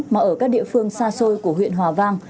mà ở các địa phương xa xôi của huyện hòa vang